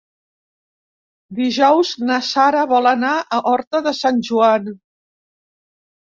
Dijous na Sara vol anar a Horta de Sant Joan.